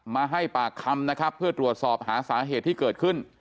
มาให้ปากคำนะครับเพื่อตรวจสอบหาสาเหตุที่เกิดขึ้น